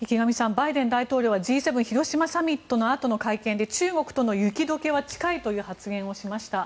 バイデン大統領はＧ７広島サミットのあとの会見で中国との雪解けは近いという発言をしました。